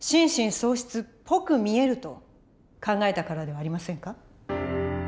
喪失っぽく見えると考えたからではありませんか？